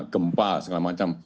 gempa segala macam